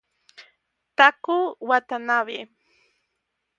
Taku Watanabe